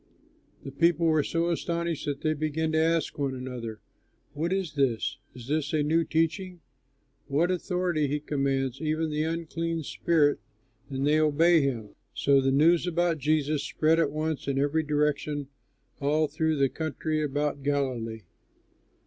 The people were so astonished that they began to ask one another, "What is this? Is it a new teaching? With authority he commands even the unclean spirits and they obey him." So the news about Jesus spread at once in every direction all through the country about Galilee.